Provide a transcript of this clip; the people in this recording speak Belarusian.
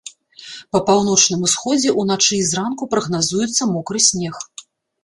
Па паўночным усходзе ўначы і зранку прагназуецца мокры снег.